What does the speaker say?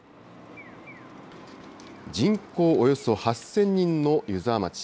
人口およそ８０００人の湯沢町。